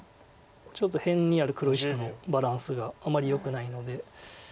ちょっと辺にある黒石とのバランスがあまりよくないので。